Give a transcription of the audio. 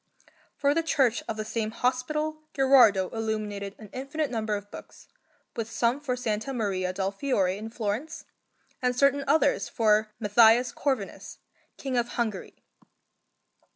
For the church of the same hospital Gherardo illuminated an infinite number of books, with some for S. Maria del Fiore in Florence, and certain others for Matthias Corvinus, King of Hungary.